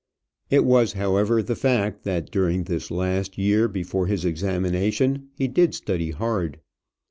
It was, however, the fact, that during the last year before his examination, he did study hard.